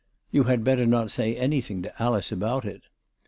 " You had better not say anything to Alice about it."